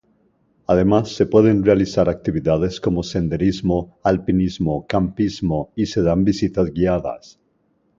Además se pueden realizar actividades como senderismo, alpinismo, campismo y se dan visitas guiadas.